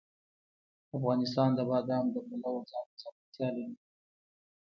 افغانستان د بادام د پلوه ځانته ځانګړتیا لري.